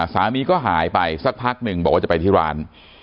สามีก็หายไปสักพักหนึ่งบอกว่าจะไปที่ร้าน